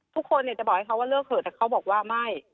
ทุกคนจะบอกให้เขาว่าเลิกเถอะแต่เขาบอกว่าไม่